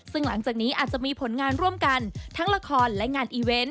ซึ่งหลังจากนี้อาจจะมีผลงานร่วมกันทั้งละครและงานอีเวนต์